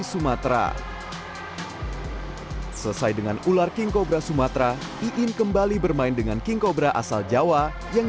sumatera selesai dengan ular king cobra sumatera iin kembali bermain dengan king cobra asal jawa yang